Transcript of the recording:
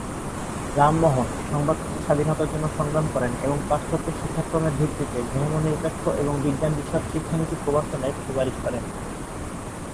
রামমোহন সংবাদপত্রের স্বাধীনতার জন্য সংগ্রাম করেন এবং পাশ্চাত্য শিক্ষাক্রমের ভিত্তিতে ধর্মনিরপেক্ষ ও বিজ্ঞান বিষয়ক শিক্ষা নীতি প্রবর্তনের সুপারিশ করেন।